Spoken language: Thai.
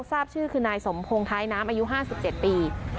ทราบชื่อคือนายสมโพงท้ายน้ำอายุห้าสิบเจ็ดปี